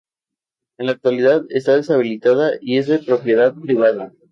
En la actualidad está deshabitada y es de propiedad privada.